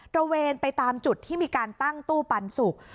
ระเวนไปตามจุดที่มีการตั้งตู้ปันสุก